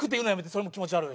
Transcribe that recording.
それも気持ち悪い。